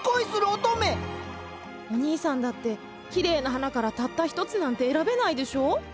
おにいさんだってきれいな花からたった一つなんて選べないでしょ？